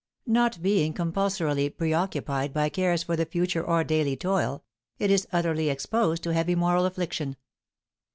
Not being compulsorily preoccupied by cares for the future or daily toil, it is utterly exposed to heavy moral affliction.